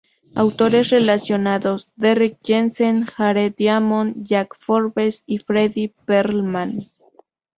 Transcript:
Autores relacionados: Derrick Jensen, Jared Diamond, Jack Forbes y Fredy Perlman.